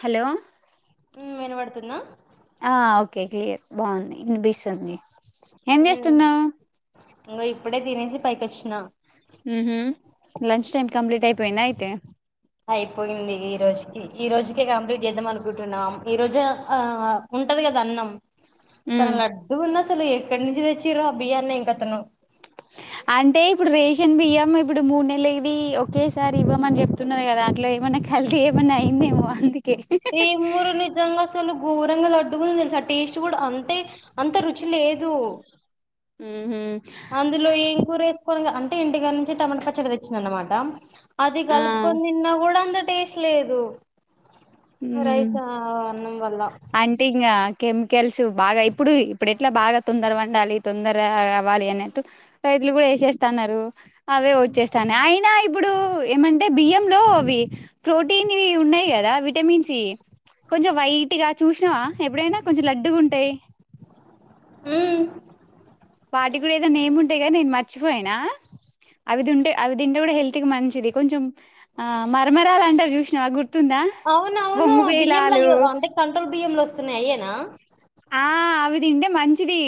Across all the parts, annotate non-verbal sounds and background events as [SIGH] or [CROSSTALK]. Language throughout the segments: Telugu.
హలో హ్మ్ వినబడుతుందా ఆ ఓకే క్లియర్ బాగుంది వినిపిస్తుంది ఏం ఉమ్ చేస్తున్నావ్ ఇంగో ఇప్పుడే తినేసి పైకోచ్ హు మ్ లంచ్ టైం కంప్లీట్ అయిపోయిందా అయితే అయిపోయింది ఈరోజుకి ఈ రోజుకే కంప్లీట్ చేద్దాం అనుకుంటున్నాం ఈరోజు ఆ ఉంట కదా అన్నం ఉ చాల లడ్డుగుంది అసలు ఎక్కడి నుంచి తెచ్చిరో అ బియ్యాని ఇంకతనో హ అంటే ఇప్పుడు రేషన్ బియ్యం ఇప్పుడు మూడు నెలలది ఒకేసారి ఇవ్వమని చెప్తున్నారు కదా అట్ల ఏమన్నా కల్తీ ఏమన్నా అయిందేమొ అందు ఏమోరా నిజంగా అసలు గోరంగా లుడ్డుగుంది తెలుసా టేస్ట్ కూడా అంటే అంత రుచి లేదు ఉహు అందులో ఏం కూరేసుకో అం టే ఇంటికాడ నుంచి టమాటా పచ్చడి తెచ్చిన అన్నమాట అది ఆ కలుపుకొని తిన్న కూడా అంద టేస్ట్ లేదు హ్మ్ రైస్ అన్నం వల్ల అంటే ఇంగ కెమికల్స్ బాగా ఇప్పుడు ఇప్పుడు ఎట్లా బాగా తొందర వండాలి తొందర గావళి అన్నట్టు వీళ్ళు కూడా వేసేస్తున్నారు అవే వచ్చేస్తానై అయినా ఇప్పుడు ఏమంటే బియ్యంలో ఇవి ప్రోటీన్ వి ఉన్నాయి కదా వి టమిన్స్ కొంచెం వైట్గా చుష్ణవ ఎప్పుడైనా కొంచెం లడ్డుగా ఉంటాయి హ్మ్ వాటి కూడా ఎదో నేమ్ ఉంటాద్ గని నేను మర్చిపోయినా అవిదింటే అవి తింటే కూడా హెల్త్కి మంచిది కొంచెం ఆ మరమరాలంటారు చూసినవా గు అవునవును బియ్యం ల య్ అంటే కంట్రోల్ బియ్యం లోస్తున్నాయి అయ్యేనా ఆ అవితింటే మంచిది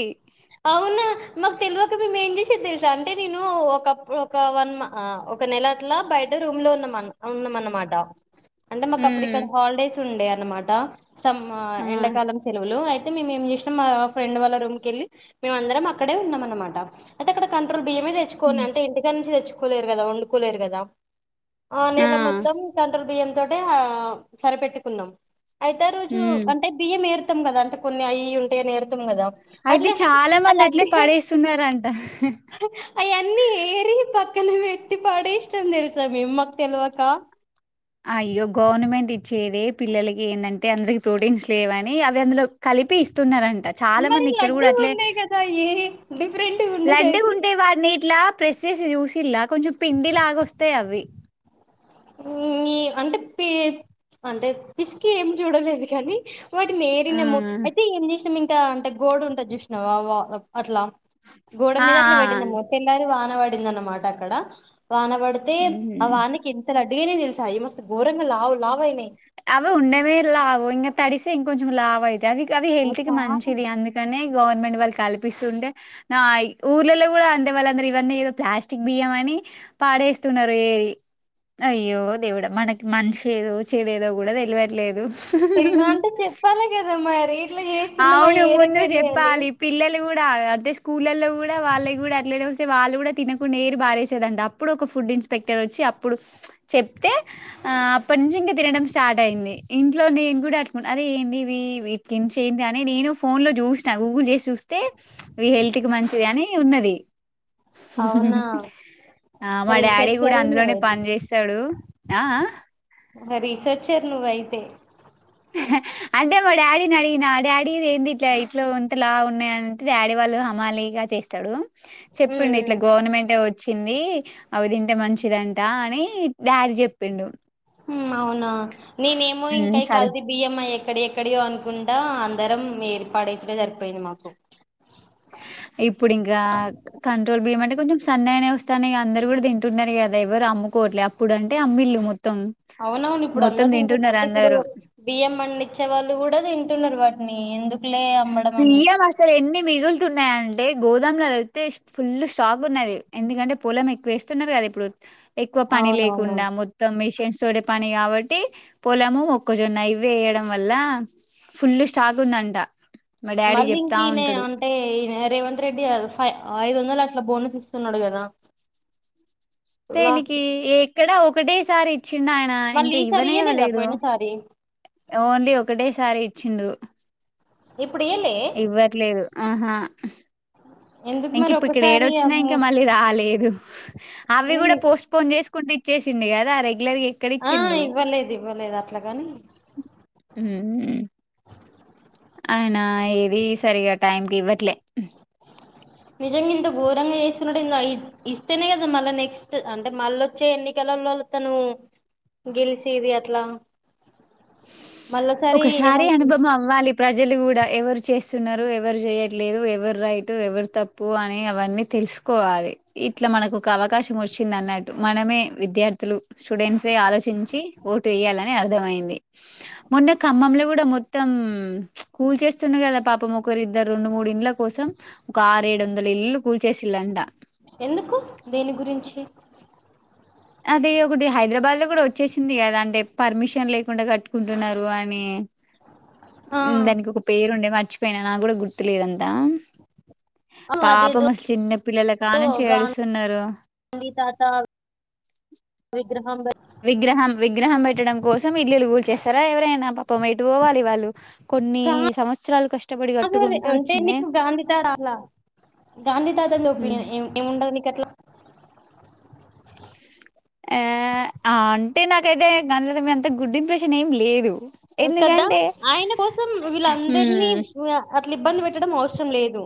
అవును. మాకు తెలువక మేము ఏం చేసేది తెలుసా అంటే నేను ఒక ఒక వన్ ఆ ఒక నెల అట్లా బయట రూమ్ లో ఉన్నా ఉన్నాం అన్నమాట అంటే మాకు అప్పుడు ఉమ్ ఇక్కడ హాలిడేస్ ఉండే అన్నమాట సమ్ ఆ ఎండాకాలం సెలవులు అయి టే మిం ఎం చేష్ణం మా ఫ్రెండ్ వాళ్ళ రూమ్ కెళ్ళి మేమంరం అక్కడే ఉన్నాం అన్నమాట అయితే అక్కడ కం ట్రోల్ బియ్యమే తెచ్చుకోని అంటే ఇంటికాడ్ నుంచి తెచ్చుకోలేరు కదా వండుకోలేరు కదా ఆ నెల మొత్తం కంట్రోల్ బియ్యం తోటే ఆ సరిపెట్టుకున్నాం అయితే ఆరోజు ఉమ్ అంటే బియ్యం ఏరుతాం కదా అంటే కొన్ని అయిఇయ్యి ఉంటాయి అని ఎరుతాం కదా అయితే అట్లే చాలా ఆ మంది అట్లే లడ్డుయి గన్ పడేస్తున్నారంట అయన్ని ఏరి పక్ క్కనే పేట్టి పడేష్ణం తెలుసా మేమ్ మాకు తెలువక అయ్యో గవర్నమెంట్ ఇచ్చేదె పిల్లలకి ఏందంటే అందరికి ప్రోటీన్స్ లేవని అవి అందులో కల్ లిపి ఇస్తున్నరం ట చాన మరి మంది ఇక్కడ లడ్డు కూడా అట్లే ఉండే కదా ఏ డిఫరెంట్ ఉండేసరికి లడ్డుగుంటాయి వాడిని ఇట్లా ప్రెస్ చేసి చూసిల్ల కొంచెం పిండిలాగోస్తాయి అవి హ్మ్ అంటే పి అంటే పిసికి ఏం చూడలేదు కానీ వాటిని ఆ ఏరినము అయితే ఏం చేసినాము ఇంకా అంటే గోడ ఉంటాది చూసినావా వా అట్లా గోడ ఆ మీద అట్లా ఆ వెట్టినము తెల్లరి వాన వాడిందన్నమాట అక్కడ వాన పడితే ఆ ఉహు వానకి ఎంత లడ్డుగైనై తెలుసా అయి మస్తు ఘోరంగా లావు లావైనాయి అవి ఉన్నావె లావు ఇంగ తడిసి ఇంకొంచం లావై అవి అవి ఓ హెల్త్ కి చాలా మంచిది అందుకనే గవర్నమెంట్ వాళ్ళు కల్పిస్తుంటే అ ఊర్లలో గుడా అంతే వాళ్ళందరు ఇవన్నీ ఏదో ప్లాస్టిక్ బియ్యం అని పారేస్తున్నారు ఏరి అయ్యో దేవుడ మనకి మంచేదో చె చెదేదో గుడా తెలువట్లేదు తెలుగు అంటే చెప్పాలి కదా మరి ఇట్లా చేస్తున్నామా అవును ఏ ముందు రకండి అని చేప్పాలి పిల్లలు గూడ అదే స్కూలల్లో గుడా వాళ్ళక్ గుడా అట్లనే వస్తే వాళ్ళు గూడా తినకుండా ఏరి బారేసేదాంట అప్పుడు ఒక ఫూ ఫుడ్ ఇన్స్పెక్టర్ వచ్చి అప్పుడు చెప్తే అ అప్పటి నుంచి ఇంక తినడం స్టార్ట్ అయింది ఇంట్లో నేన్ గూడా అడ్ అరే ఏంది ఇవి ఇవి తించేంది అని నేను ఫోన్ లో జుష్నా గూగుల్ జేసి చూస్తే ఇవి హెల్త్ కి మంచివి అని ఉన్నది అవునా [UNINTELLIGIBLE] ఆ మా డాడీ గూడా రీసెర్చర్ అందులోనే నువ్వైతే పని చేస్తాడు ఆ ఆ ఇంగ రీసెర్చెర్ నువైతే అంటే మా డాడీని అడిగిన డాడీ ఇది ఏంది ఇట్లా ఇట్లో ఇంత లావున్నాయి అంటే డాడీ వాళ్ళు అమాలీగా చేస్తాడు చెప్పిండు ఇట్లా ఉమ్ గవర్నమెంట్ ఇచ్చింది అవి తింటే మంచిదంట అని డాడీ చేప్పిండు మ్ అవునా నేనేమో హ్మ్. ఇంకాయి సరే కల్తీ బియ్యము అయ్ ఎక్కడి ఎక్కడియో అనుకుంటా అందరం ఏరి పడేసుడే సరిపోయింది మాకు ఇప్పుడింకా కంట్రోల్ బియ్యం అంటే కొంచం సన్నగానే వస్తానై అందరు గూడా తింటున్నారు కదా ఎవరు అమ్ము కోట్లే అప్పుడంటే ఆమ్మిల్లు మొత్ అవునవును ఇప్పుడు అందరు తింటు అంటే ఇప్పుడు అందరూ బియ్యం పండ్ చ్చే వాళ్ళు గూడా తింటున్నార్ వాటిని ఎం బియ్యం అసల్ ఎన్ని మిగులుతున్నాయం టే గోదాంలనైతే ఫుల్ స్టాక్ ఉన్నది ఎందుకంటే పోలం ఎక్కువేస్తున్నారు గదా ఇప్పుడు ఎక్కువ పని అవునవును లేకుండా మొత్తం మిష్ న్స్ తోటే పని గబట్టి పొలము మొక్కజొన్న ఇవ్వేయడం వల్ల ఫుల్లు స్టాక్ ఉందంట మా డాడీ మళ్ళీ చెప్తా ఇంకినే ఉంటాడు అంటే ఇన రేవంత్ రెడ్డి గదా ఫై ఐదోన్ దల్ అట్లా బోనస్ ఇస్తున్నాడు గదా దేనికి ఎక్కడ ఒకటేసారి ఇచ్చిండయన మళ్ళీ ఇంకా ఈసారి ఇవ్వనే ఇయ్యలేదా ఇవ్వలేదు పోయిన సారి ఓన్లీ ఒకటేసారి ఇచ్చిండు ఇప్పుడు ఇయ్యలే ఇవ్వట్లేదు ఆహా ఎందుకు ఇంక మరి ఇప్పు ఒక్కసారి ఇక్కడేడోచ్చినై అమ్ము ఇంకా మళ్ళీ రాలేదు అవ్వి గూడా నేను- పోస్ట్ పోన్ చేస్కుంట ఇచ్చేసిండు గదా రెగ్ ఆ ఇవ్వలేద్ ఇవ్వలేద్ అట్లాగాని మ్ అయనా ఏది సరిగా టైంకిివ్వట్లే నిజంగా ఇంత ఘోరంగా చేస్తున్నాడెందో అయ్ ఇస్తేనే కదా మళ్ళా నెక్స్ట్ అంటే మళ్ళోచ్చే ఎన్ని కలల్లో అతను గెలిసేది అట్లా మళ్ళసారి ఒకసారి ఏమనుకు అనుభవం అవ్వాలి ప్రజలు గూడా ఎవరు చేస్ తున్నారు ఎవరు చేయట్లేదు ఎవరు రైట్ ఎవరు తప్పు అని అవన్నీ తెలుసుకోవాలి ఇట్లా మనకు ఒక అవకాశం వచ్చింది అన్నట్టు మనమే విద్యార్థులు స్టూడెంట్సే ఆలోచించి ఓటు వెయా లని అర్థమయింది మొన్న ఖమ్మంల గూడా మొత్తం కూల్చేస్తుండు గదా పాపం ఒకరిద్దరు రెండు మూడు ఇండ్ల కోసం ఒక ఆరు ఏడు వందల ఇల్లులు కూల్చేసిల్లంట ఎందుకు దేని గురించి అదే ఒకటి హైదరాబాద్ లో గూడా వచ్చేసింది కదా అంటే పర్మిషన్ లేకుండా కట్టుకుంటున్నారు అని ఆ మ్ దానికొక పేరుండే మర్చిపోయినా నాకూడా గుర్తులేదంతా అవును పాపం అదేదో మస్ చిన్న పిల్లల కానుంచేడుస్తున్నారు గాంధీ తాత విగ్రహం విగ్రహం విగ్రహం పెట్టడం కోసం ఇల్లులు కుల్చేస్తరా ఎవరైనా పాపమెటు పోవాలి వాళ్ళు కొన్ని కాదు సంవత్సరాలు కష్టపడి కట్టుకుంటే అంటే వచ్చినై నీకు గాంధీ తాత అలా గాంధీ తాత మీద ఒపీనియన్ ఎ ఎం ఉంటది నీకట్లా ఎ ఆ అంటే నాకైతే గాంధీ తాత మీదంతా గుడ్ ఇంప్రెషన్ ఏమి లేదు కదా ఎందుకంటే ఆయన కోసం వీళ్ళందరినీ హ్మ్. అట్లా ఇబ్బంది పెట్ ట్టడం అవసరం లేదు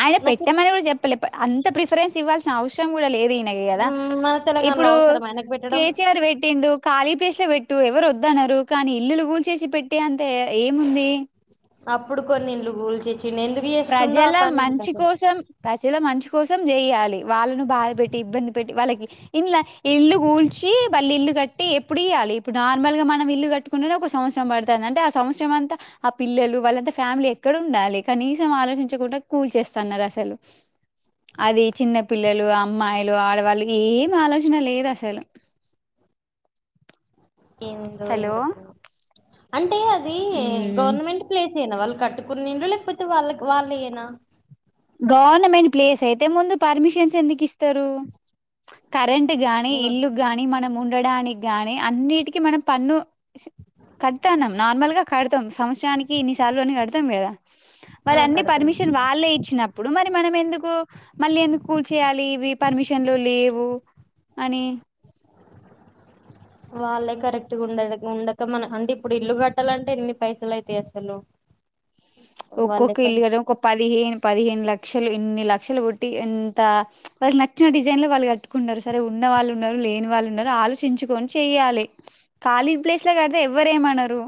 ఆయన నాకు పెట్టమని కూడా చెప్పలే అంత ప్రిఫరెన్స్ ఇవ్వాల్సిన అవసరం కూడా లేద్ దినగి కదా మన తెలంగాణలో ఇప్పుడు అవసరం ఆయనకు పెట్టడం కే సి ఆర్ పెట్టిండు కాలి ప్లేస్ల పెట్టు ఎవరు ఒద్దన్నారు కానీ ఇల్లులు కూల్చేసి పెట్టే అంత ఏముంది అప్పుడు కొన్ని ఇండ్లు గూల్చి ప్రజల మంచి కోసం ప్రజల మంచి కోసం చేయాలి వాళ్ళను బాధ పెట్టి ఇబ్బంది పెట్టి వాళ్ళకి ఇండ్ల ఇల్లు కూల్చి మళ్ళ ఇల్లు కట్టి ఎప్పుడియ్యలి ఇప్పుడు నార్మల్గా మనం ఇల్లు కట్టుకునుడే ఒక సంవత్సరం పడుతాంది అంటే సంవత్సరం అంతా ఆ పిల్ పిల్లలు వాళ్ళంత ఫ్యామిలెక్కడుండాలి కనీసం ఆలోచించకుండా కూల్చేస్తన్నారు అసలు అది చిన్న పిల్లలు అమ్మాయిలు ఆడవాళ్ళకి ఏం ఆలోచన లేదసలు ఏందో ఎం హలో కతనో అంటే అవి ఉమ్ గవర్నమెంట్ ప్లేస్ సేనా వాళ్ళు కట్టుకున్నిండ్లు లేకపోతే వాళ్ళక్ వాళ్ళయేనా గవర్నమెంట్ ప్లేసైతే ముందు పర్మిషన్సేందుకిస్తరు కరెంట్ గాని ఇల్లుగ్గాని మనం ఉండడానిగ్గాని అన్నిటికి మనం పన్ను కడతాన్నాం నార్మల్గా కడుతాం సంవత్సరానికి ఇన్నిసార్లు అని కడుతాం కదా ఆ మరి అన్ని కడుతున్నా పర్మిషన్ వాళ్ళే ఇచ్చినప్పుడు మరి మనమెందుకు మళ్ళీ ఎందుకు కూల్చేయాలి ఇవి పర్మిషన్లు లేవు అని వాళ్ళే కరెక్ట్గా ఉండ ఉండక మన అంటే ఇప్పుడు ఇల్లు కట్టాలంటే ఎన్ని పైసలైతయి అసలు వాళ్ళే ఒక్కొక్క కన్ ఇలుగడ్ ఒక పదిహేను పదిహేను లక్ క్షలు ఇన్ని లక్షలు పెట్టి ఎంత వాళ్ళకి నచ్చిన డిజైన్ లో వాళ్ళు కట్టుకున్నారు సరే ఉన్న వాళ్ళు ఉన్నారు లేని వాళ్ళున్నారు ఆలోచించుకొని చెయ్యాలి ఖాళీ ప్లేస్లో కడితే ఎవ్వరేమనరు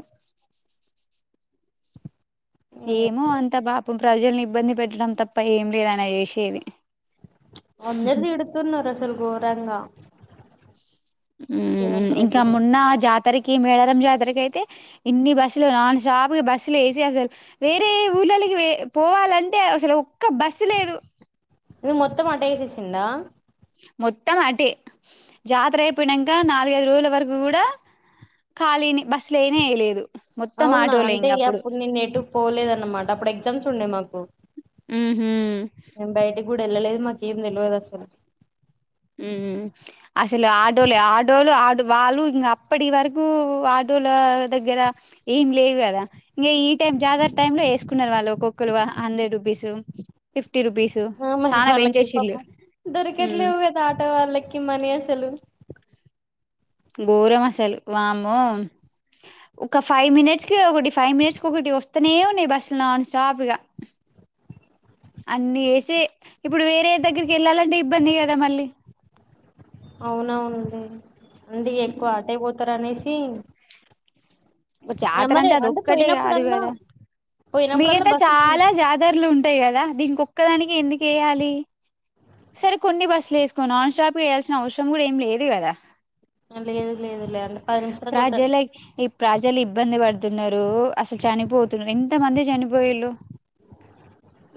ఏమో అంతా పాపం ప్రజలను ఇబ్బంది పెట్టడం తప్ప ఏం లేదాయన చేసేది అందరు తిడుతున్నారు అసలు ఘోరంగా మ్ రేవంత్ ఇంకా రెడ్డిని మొన్నా జాత్ తరికి మేడారంజాతరకైతే ఇన్ని బస్సులు నాన్ స్టాప్ బస్సులేసీ అసల్ వేరే ఊ ల్లలకి పోవాలంటే అసలొక్క బస్సు లేదు ఎందుకు మొత్తం అటే ఏసేసిండా మొత్తం అటే జాతర అయిపోయినంక నాలుగైదు రోజుల వరకు కూడా ఖాలినే బస్సులేయనే ఎయలేదు అవునా అంటే ఇగ అప్పుడు నేనెటు పోలేదన్నమాట అప్పుడు ఎగ్జామ్స్ ఉండే మాకు మ్ హు గుడెల్లలేదు మాకేం తెల్వదసలు మ్ అసలు ఆడోలే ఆడోలు ఆడు వాళ్ళ ఇంగప్పటి వరకూ అట్ టోల దగ్గర ఏం లేవు కదా ఇంగ ఈ టైం జాతర టైమ్ లేసుకున్నారు వాళ్ళోక్కొక్కరు వా హండ్రెడ్ రుపీసు, ఫిఫ్టీ రుపీసు ఆ మరి చాన వాళ్ళకి బెంచేసిండు. పాపం ఉ దొరికట్లేవు కదా వాళ్ళకి మనీ అసలూ ఘోరమసలు వామ్మో ఒక ఫైవ్ మినిట్స్కి ఒకటి ఫైవ్ మినిట్స్కి ఒకటి వస్తూనే ఉన్నాయి. బస్సులు నాన్ స్టాప్గా అన్ని ఏసి ఇప్పుడు వేరే దగ్గరికేళ్ళాలంటే ఇబ్బంది గద మళ్ళీ [INAUDIBLE] అవునఅవును అందుకె ఎక్కువ అటేపోతరనేసి గ జాతర అంటే అది ఒక్కటే గాద్ పోయినప్పుడల్లా గద పోయినప్పుడల్లా మిగత బస్సెస్ చాలా జాతరలు ఉంటయ్ గద. దీనికొక్కదానికి ఎందుకు ఏయాలి. సరే కొన్ని బస్సులు ఏసుకొన్ నాన్ స్టాప్ ఏయాల్సిన అవసరం గుడ ఏం లేద్ గద లెద్ లెద్ లె అంటె పది నిమిషాలు ఓట్ ప్రజలకి ఈ ప్రజలు ఇబ్బంది పడుతున్నరు. అసలు చనిపొత్ ఎంత మంది చనిపొయిళ్లు.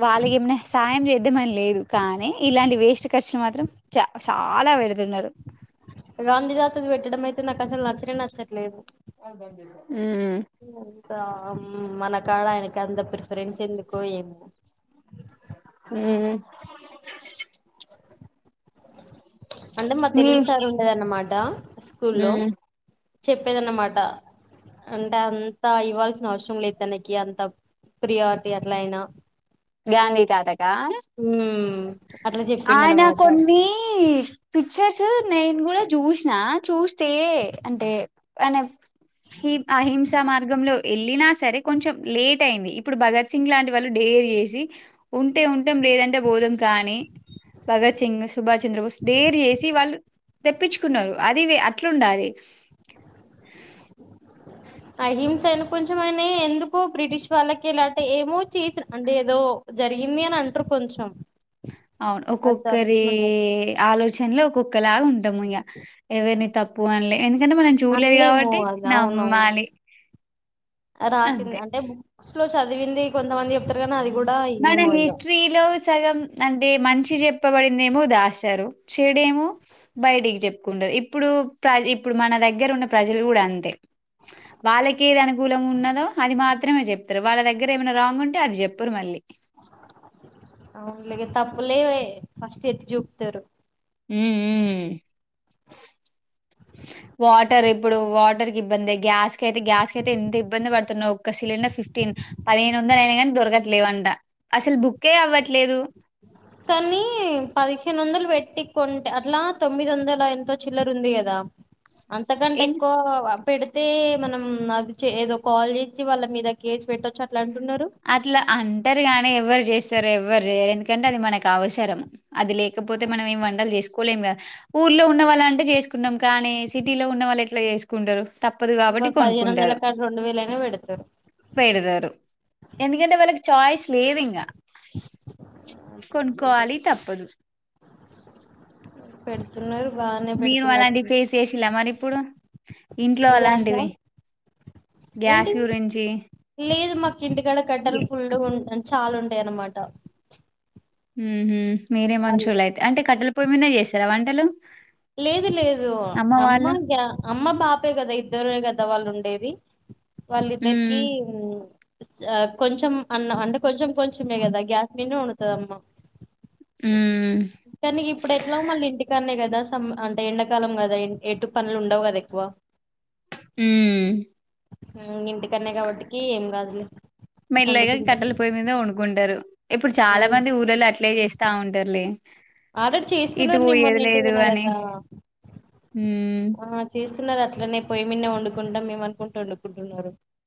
వాళ్ళగి ఏమన సాయం జెద్దామని లేదు. కానీ ఇలాంటి వేస్ట్ ఖర్చులు మాత్రం చ చాలా వెడుతున్నరు. గాంధీ తాతని పెట్టడం అయితే నాకు అసలు నచ్చనె నచ్చట్లేదు. ఊమ్ మనకాడ ఆయనకి అంత ప్రిఫరెన్స్ ఎందుకొ ఏమో [INAUDIBLE] అంటే మా మీ తెలుగు సార్ ఉండేదనమాట స్కూల్లో ఉమ్ చెప్పేదనమాట అంటే అంత ఇవ్వాల్సిన అవసరం లేద్ తనకి అంత ప్రియారిటీ అట్లఅయిన గాంధీ తాతక్ ఆ అట్లా ఆయన చెప్పిండనమాట కొన్ని పిక్చర్స్ నేన్ గుడ జుశ్నా చూస్తే అంటే అనే ఇ అహింస మార్గంలో ఎళ్ళిన సరే కొంచెం లేట్ అయింది. ఇప్పుడు భగత్ సింగ్ లాంటి వాళ్ డేర్ జెస్ సి ఉంటే ఉంటం లేదంటె బోధం కానీ భగత్ సింగ్, సుభాష్ చంద్రబొస్ డేర్ జేసి వాళ్ తెప్పించుకున్నరు అది వె అట్లుండాలె అహింస అను కొంచెం ఆయనే ఎందుకో బ్రిటిష్ వాళ్ళకెల అంటే ఏమో చేసిం అంటె ఎదో జరిగింది అని అంటరు కొంచెం ఔన్ అది ఒక్కొక్కరీ జరుగుతున్నట్టు ఆలోచన్లు ఒక్కొక్కలాగ ఉంటాము ఇగ ఎవరిని తప్పు అన్లే ఎందుకంటే మనం చూడలేద్ అనలేము కావట్టి అది నమ్మాలి. అ రాసింది అంతే అంటే బుక్స్ లో చదివింది కొంతమంది చెప్తరు గని అది గుడా మన హిస్ట్రీలొ సగం అంటే మంచి చెప్పబడిందేమో దాసారు చెడేమో బయటికి చెప్పుకుంటరు. ఇప్పుడు ప్ర ఇప్పుడు మన దగ్గర ఉన్న ప్రజలు గుడ అంతే వాళ్ళకి ఏది అనుకూలం ఉన్నదో అది మాత్రమే చెప్తరు. వాళ్ళ దగ్గర ఏమైనా రాంగ్ ఉంటే అది చెప్పరు మళ్ళీ ఔన్లె తప్పులే ఫస్ట్ ఎత్తి చూప్తరు. ఉ ఊ వాటర్ ఇప్పుడు వాటర్కి ఇబ్బందె గ్యాస్ కయితే గ్యాస్ కైతే ఎంత ఇబ్బంది పడుతున్నవ్ ఒక్క సిలిండర్ ఫిఫ్ ఫ్టీన్ పదిహేను వందళ్ అయినగని దొరకట్లేవంట. అసలు బుక్కె అవ్వట్లేదు. కుంట్ అట్లా తొమ్మిది ఒందళ ఎంతో చిల్లర ఉంది. గద అంతకంటే ఎక్కువ పెడ్ తే మనం అది చె ఏదో కాల్ చేస్తె వాళ్ళ మీద కేసు పెట్టఒచ్ అట్ల అట్ల అంటరు గాని ఎవ్వరు చేస్ సరే ఎవ్వరు చేయర్ ఎందుకంటే అది మనక్ అవసరం అది లేకపోతే మనం ఏం వంటలు చేసుకోలేంగ ఊ ఊర్లో ఉన్న వాళ్లు అంటే చేసుకుంటం కానీ, సిటీలో ఉన్న వాళ్ళు ఎట్ల చేసుకుంటరు. తప్పదు కాబట్టి ఇవాళ పదిహేను వందల కొనుక్కుంటరు కాడ రెండు వేలైనా పెడతారు పెడదరు ఎందుకంటే వాళ్ళకి చాయిస్ లేద్ ఇంగ ఇక కొనుక్కొవాలి తప్పదు పెడుతున్నరు బానే మీరు పెడుతున్నట్ ఇంట్లొ అలాంటివి ఏంటి గ్యాస్ గురించి లేదు మాక్ ఇంటి కాడ కట్టలు యె ఫుల్లుగు ఉంటాయి చాల్ ఉంటయ్ అన్మాట ఉ హు మీరే మంచొళ్ళు అయ్తే అంటే కట్టెల పొయ్ మీద చేస్తర వంటలు లేదు లేదు అమ్మ అమ్మ పాపే కదా ఇద్దరె కదా వాళ్ళు ఉండేది. ది వాళ్ళిద్దరికి హ్మ్. కొంచెం అన్నం అంటే కొంచెం కొంచెం ఎ కదా గ్యాస్ మీదనే వండుతదమ్మ హ్మ్. కానీ ఇప్పుడు ఎట్లాగో ఇంటికానే కదా అంటే ఎండాకాలం కదా ఎటు పనులు ఉండవు కదా ఎక్కువ హ్మ్ హ్మ్ ఇంటికాడనే కాబట్టికి ఏం కాదులే మెల్లగా వండుకుంటే కట్టలు పోయ మీదనే వండుకుంటారు ఇప్పుడు చాలా మంది ఊర్ళలో అట్లే చేస్తా ఉంటారులే ఆల్రెడీ ఇటు చేస్తున్నారు నేను పోయేది మొన్న ఇంటి లేదు వోయినా అని. కదా హ్మ్. ఆ చే వన్నారు అట్లనే పోయిమీదనే వండుకుంటాం మేమ అనుకుంటూ వండుకుంటున్నారు